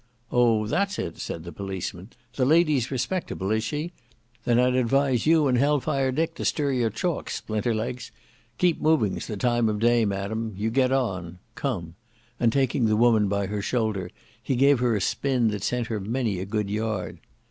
"Oh! that's it," said the policeman, "the lady's respectable is she? Then I'd advise you and Hell Fire Dick to stir your chalks, Splinter legs. Keep moving's the time of day, Madam; you get on. Come;" and taking the woman by her shoulder he gave her a spin that sent her many a good yard.